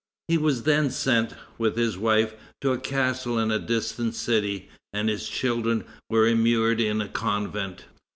He was then sent, with his wife, to a castle in a distant city, and his children were immured in a convent.